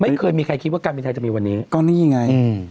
ไม่เคยมีใครคิดว่าการบินไทยจะมีวันนี้ก็นี่ไง